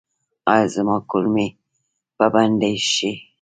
ایا زما کولمې به بندې شي؟